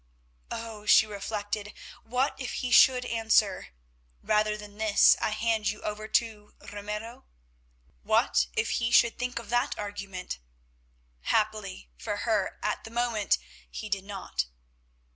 Oh! she reflected, what if he should answer—"Rather than this I hand you over to Ramiro"? What if he should think of that argument? Happily for her, at the moment he did not.